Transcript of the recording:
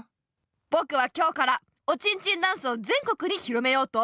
ぼくは今日からおちんちんダンスを全国に広めようと思う！